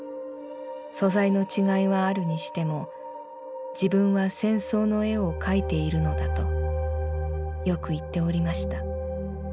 素材の違いはあるにしても自分は戦争の絵を描いているのだとよく言っておりました。